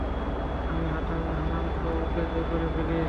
আমি স্থানাঙ্ক অকেজো করে ফেলি।